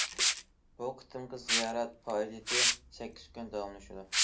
بۇ قېتىمقى زىيارەت پائالىيىتى سەككىز كۈن داۋاملىشىدۇ.